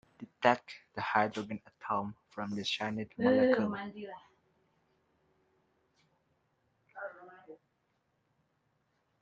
Detach the hydrogen atom from the cyanide molecule.